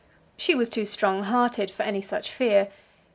She was too strong hearted for any such fear.